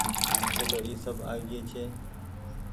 چلو اي سب آگيئي ڇي۔